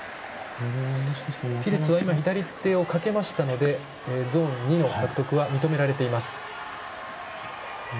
ピルツは今左手をかけましたのでゾーン２の獲得は認められています。